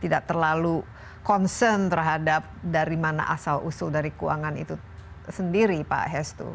tidak terlalu concern terhadap dari mana asal usul dari keuangan itu sendiri pak hestu